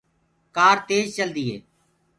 ڪآر تيج چلدي هي۔